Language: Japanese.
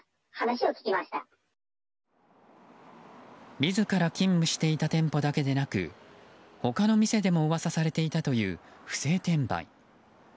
自ら勤務していた店舗だけでなく他の店でも噂されていたという不正転売。